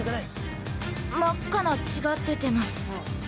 ◆真っ赤な血が出てます。